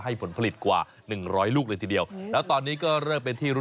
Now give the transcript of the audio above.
มันก็ไม่น่าจะเปรี้ยวอะไรขนาดนั้น